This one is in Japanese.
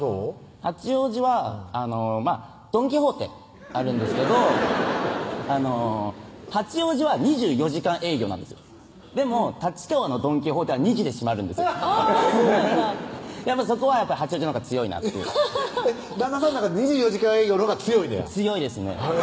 八王子はドン・キホーテあるんですけど八王子は２４時間営業なんですよでも立川のドン・キホーテは２時で閉まるんですそこはやっぱ八王子のほうが強いなっていう旦那さんの中では２４時間営業のが強いねや強いですね